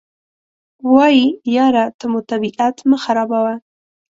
وایي یاره ته مو طبیعت مه راخرابوه.